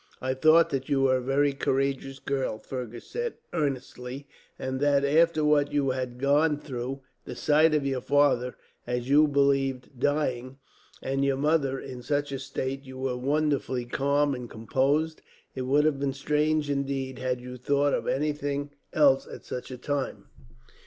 "I thought that you were a very courageous girl," Fergus said earnestly; "and that, after what you had gone through, the sight of your father as you believed dying, and your mother in such a state, you were wonderfully calm and composed. It would have been strange, indeed, had you thought of anything else at such a time."